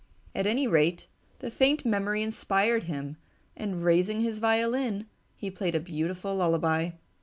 At any rate, the faint memory inspired him and, raising his violin, he played a beautiful lullaby.